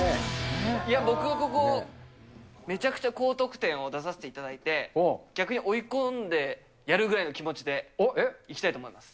いや、僕はここ、めちゃくちゃ高得点を出させていただいて、逆に追い込んでやるぐらいの気持ちでいきたいと思います。